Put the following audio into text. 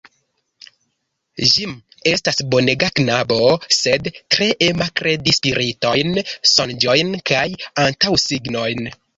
Jim estas bonega knabo, sed tre ema kredi spiritojn, sonĝojn kaj antaŭsignojn.